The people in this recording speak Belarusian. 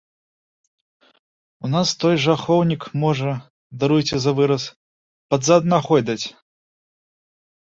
А ў нас той жа ахоўнік можа, даруйце за выраз, пад зад нагой даць.